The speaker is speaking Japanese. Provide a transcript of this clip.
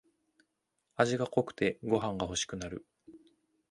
味が濃くてご飯がほしくなる